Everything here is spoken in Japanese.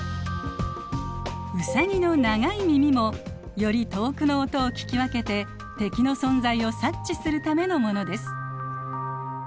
ウサギの長い耳もより遠くの音を聞き分けて敵の存在を察知するためのものです。